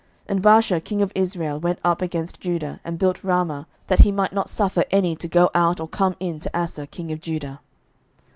11:015:017 And Baasha king of Israel went up against Judah, and built Ramah, that he might not suffer any to go out or come in to Asa king of Judah.